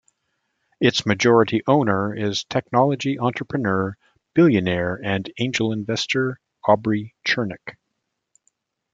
Its majority owner is technology entrepreneur, billionaire, and angel investor Aubrey Chernick.